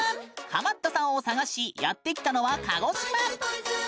ハマったさんを探しやってきたのは、鹿児島。